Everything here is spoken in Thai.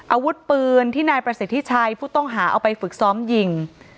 อาวุธปืนที่นายประสิทธิชัยผู้ต้องหาเอาไปฝึกซ้อมยิง